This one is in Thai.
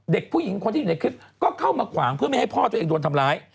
เด็กผู้หญิงคนที่อยู่ในคลิปก็เข้ามาขวางเพื่อไม่ให้พ่อตัวเองโดนทำร้าย